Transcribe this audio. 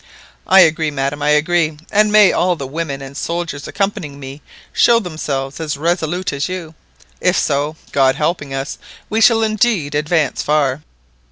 "I agree, madam, I agree; and may all the women and soldiers accompanying me show themselves as resolute as you. If so, God helping us, we shall indeed advance far."